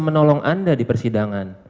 menolong anda di persidangan